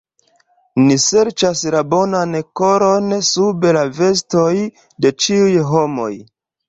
Ni serĉas la bonan koron sub la vestoj de ĉiuj homoj.